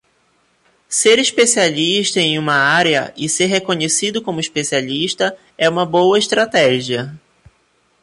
Ser especialista em uma área e ser reconhecido como especialista é uma boa estratégia.